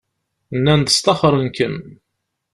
Nnan-d sṭaxren-kem.